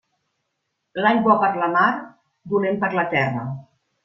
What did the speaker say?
L'any bo per la mar, dolent per la terra.